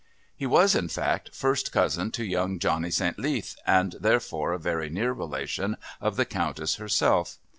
He was in fact first cousin to young Johnny St. Leath and therefore a very near relation of the Countess herself.